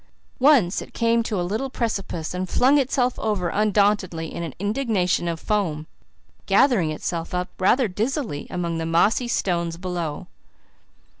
Once it came to a little precipice and flung itself over undauntedly in an indignation of foam, gathering itself up rather dizzily among the mossy stones below.